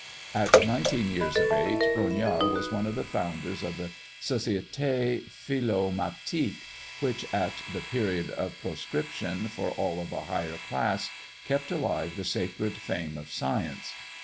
At nineteen years of age, Brongniart was one of the founders of the Societé Philomatique, which, at the period of proscription for all of a higher class, kept alive the sacred fame of science.